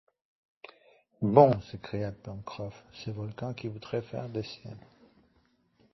Bon! s’écria Pencroff, ce volcan qui voudrait faire des siennes !